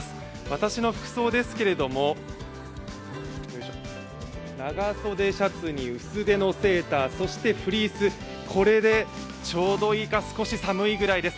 私の服装ですけれども、長袖シャツに薄手のセーターそしてフリース、これでちょうどいいか少し寒いくらいです。